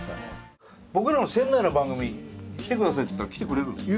僕らの仙台の番組来てくださいって言ったら来てくれるんですか？